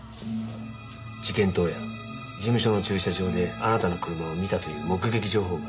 事件当夜事務所の駐車場であなたの車を見たという目撃情報がありました。